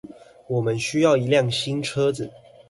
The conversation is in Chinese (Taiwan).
我們需要一輛新車子